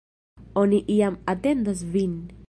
Oni jam atendas vin!